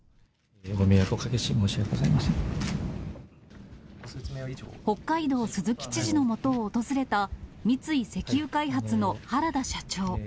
ご迷惑をおかけして、申し訳北海道、鈴木知事のもとを訪れた三井石油開発の原田社長。